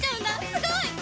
すごい！